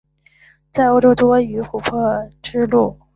在欧洲有多条琥珀之路。